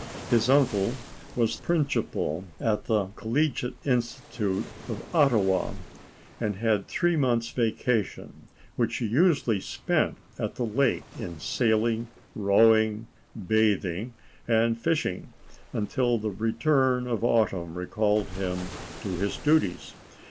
His uncle was principal of the Collegiate Institute at Ottawa, and had three months' vacation, which he usually spent at the lake in sailing, rowing, bathing, and fishing, until the return of autumn recalled him to his duties.